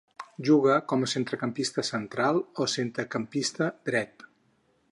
Juga com a centrecampista central o centrecampista dret.